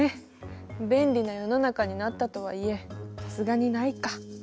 便利な世の中になったとはいえさすがにないか。